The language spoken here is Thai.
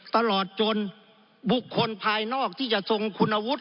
ตลอดจนบุคคลภายนอกที่จะทรงคุณวุฒิ